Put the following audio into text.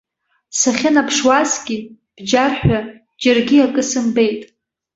Сахьынаԥшуазгьы бџьарҳәа џьаргьы акы сымбеит.